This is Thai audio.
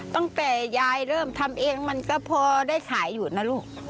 ตั้งแต่ยายเริ่มทำเองมันก็พอได้ขายอยู่นะลูก